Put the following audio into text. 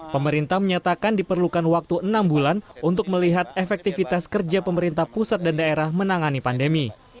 pemerintah menyatakan diperlukan waktu enam bulan untuk melihat efektivitas kerja pemerintah pusat dan daerah menangani pandemi